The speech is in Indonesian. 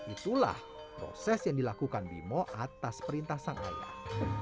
itulah proses yang dilakukan bimo atas perintah sang ayah